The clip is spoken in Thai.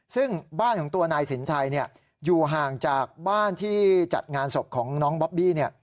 ซึ่งบ้านของตัวนายสินชัยอยู่ห่างจากบ้านที่จัดงานศพของน้องบอบบี้